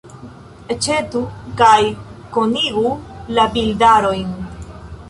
Aĉetu kaj konigu la bildarojn.